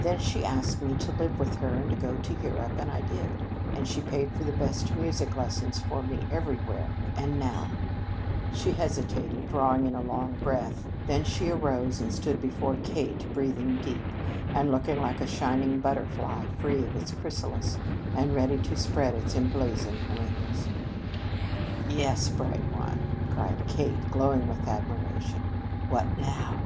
Then she asked me to live with her and go to Europe, and I did, and she paid for the best music lessons for me everywhere, and now " She hesitated, drawing in a long breath; then she arose and stood before Kate, breathing deep, and looking like a shining butterfly free of its chrysalis and ready to spread its emblazoned wings. "Yes, bright one!" cried Kate, glowing with admiration. "What now?"